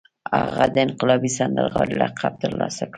هغه د انقلابي سندرغاړي لقب ترلاسه کړ